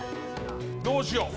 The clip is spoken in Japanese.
どうしよう？